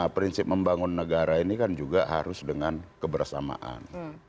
prinsip membangun negara ini kan juga harus dengan kebersamaan